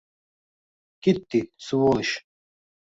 Kitti, svolish!